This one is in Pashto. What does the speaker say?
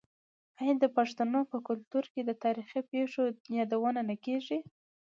آیا د پښتنو په کلتور کې د تاریخي پیښو یادونه نه کیږي؟